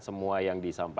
semua yang diperhatikan